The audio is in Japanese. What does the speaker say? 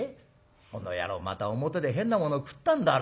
この野郎また表で変なもの食ったんだろ。